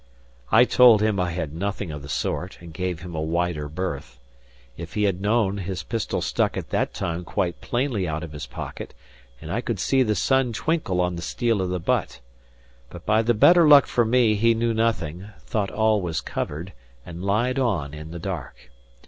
I told him I had nothing of the sort, and gave him a wider berth. If he had known, his pistol stuck at that time quite plainly out of his pocket, and I could see the sun twinkle on the steel of the butt. But by the better luck for me, he knew nothing, thought all was covered, and lied on in the dark.